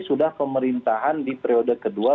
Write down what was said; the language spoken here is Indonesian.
sudah pemerintahan di periode kedua